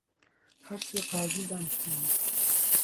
هەر سێ قازی دانیشتبوون